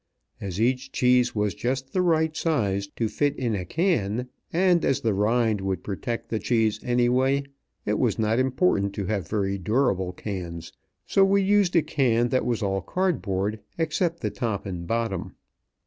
As each cheese was just the right size to fit in a can, and as the rind would protect the cheese, anyway, it was not important to have very durable cans, so we used a can that was all cardboard, except the top and bottom.